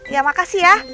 ya makasih ya